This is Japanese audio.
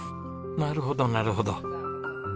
なるほどなるほど。